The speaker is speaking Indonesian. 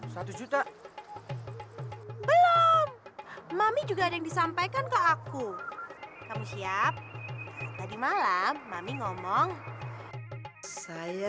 satu juta belum mami juga ada yang disampaikan ke aku kamu siap tadi malam mami ngomong saya